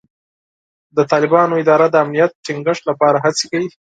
د طالبانو اداره د امنیت ټینګښت لپاره هڅې کوي.